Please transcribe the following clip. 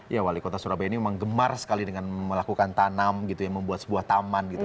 ya wali kota surabaya ini memang gemar sekali dengan melakukan tanam membuat sebuah taman